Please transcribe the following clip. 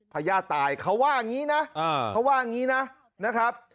พญาติตายเขาว่างี้นะ